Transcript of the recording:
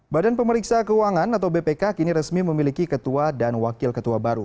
badan pemeriksa keuangan atau bpk kini resmi memiliki ketua dan wakil ketua baru